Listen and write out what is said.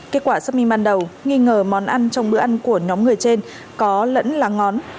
kết quả xác minh ban đầu nghi ngờ món ăn trong bữa ăn của nhóm người trên có lẫn lá ngón